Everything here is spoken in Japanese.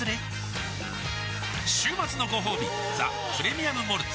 週末のごほうび「ザ・プレミアム・モルツ」